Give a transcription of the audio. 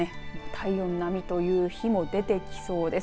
体温並みという日も出てきそうです。